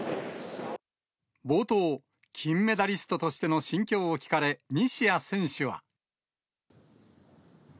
冒頭、金メダリストとしての心境を聞かれ、西矢選手は。